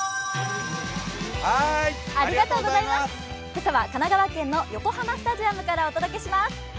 今朝は神奈川県の横浜スタジアムからお届けします。